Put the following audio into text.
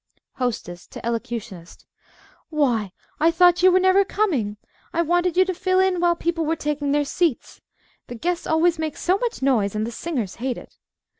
_) HOSTESS (to elocutionist) Why, I thought you were never coming! I wanted you to fill in while people were taking their seats. The guests always make so much noise, and the singers hate it.